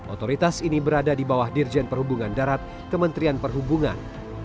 otoritas ini berada di bawah dirjen perhubungan darat kementerian perhubungan